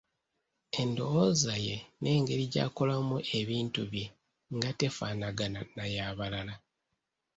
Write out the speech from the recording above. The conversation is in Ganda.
Endowooza ye n'engeri gy'akolamu ebintu bye nga tefaanagana na yabalala.